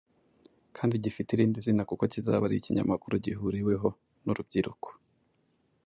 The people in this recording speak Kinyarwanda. kandi gifite irindi zina kuko kizaba ari ikinyamakuru gihuriweho n’urubyiruko